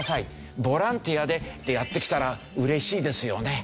ボランティアでやって来たら嬉しいですよね。